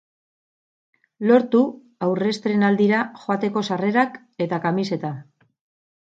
Lortu aurrestreinaldira joateko sarrerak eta kamiseta.